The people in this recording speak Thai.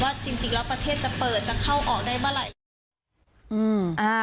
จริงแล้วประเทศจะเปิดจะเข้าออกได้เมื่อไหร่